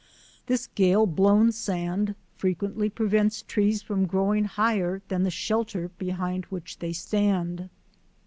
This gale blown sand frequently prevents trees from growing higher than the shelter behind which they stand.